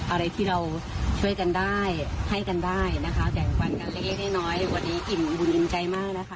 อะไรที่เราช่วยกันได้ให้กันได้นะคะแบ่งวันกันเล็กน้อยวันนี้อิ่มบุญอิ่มใจมากนะคะ